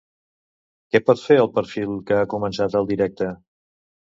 Què pot fer el perfil que ha començat el directe?